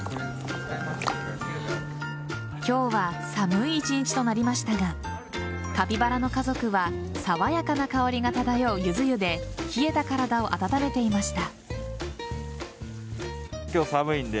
今日は寒い１日となりましたがカピバラの家族は爽やかな香りが漂うゆず湯で冷えた体を温めていました。